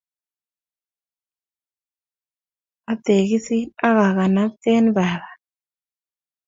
Ategisin aka anaten baba